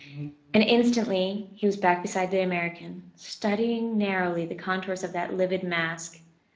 And instantly he was back beside the American, studying narrowly the contours of that livid mask.